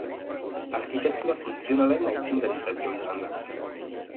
Arkitektura funtzionalaren aitzindaritzat jo izan da.